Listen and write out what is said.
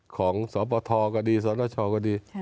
สวทธพธก็ดีสวทธก็ดี